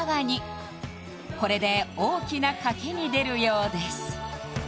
これで大きな賭けに出るようです